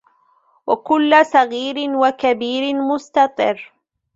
وكل صغير وكبير مستطر